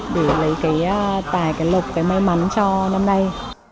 để lấy cái tài cái lộc cái may mắn cho năm nay